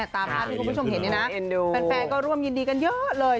ตามภาพที่คุณผู้ชมเห็นเนี่ยนะแฟนก็ร่วมยินดีกันเยอะเลย